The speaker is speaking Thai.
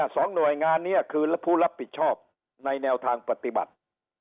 สองหน่วยงานนี้คือผู้รับผิดชอบในแนวทางปฏิบัติ